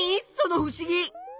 そのふしぎ。